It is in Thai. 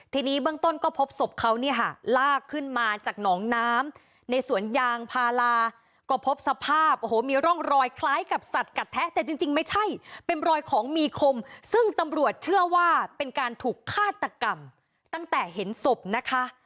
ทีนี้ก็ผบศพเขาลากขึ้นมาจากหนองน้ำในศวนยางพาลาก็พบสภาพมีร่องลอยคล้ายกับสัตว์กระแท้จริงไม่ใช่เป็นรอยของมีคมซึ่งตำรวจเชื่อว่าเป็นการถูกคาดตรรกรรมตั้งแต่เห็นทรพนะคะ